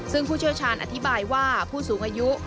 ซึ่งผู้เชี่ยวชาญอธิบายว่าผู้สูงอายุ